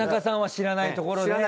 知らないところで。